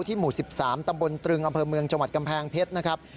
หมู่๑๓ตำบลตรึงอำเภอเมืองจังหวัดกำแพงเพชรนะครับ